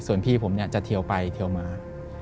ส่วนพี่ผมจะเทียวไปเทียวมา